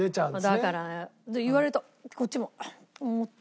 だから言われるとこっちも「あっ」と思って。